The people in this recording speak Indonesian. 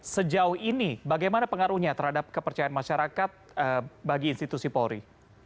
sejauh ini bagaimana pengaruhnya terhadap kepercayaan masyarakat bagi institusi polri